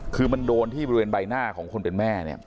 คือมันโดนที่บริเวณใบหน้าของคนเป็นแม่เนี่ย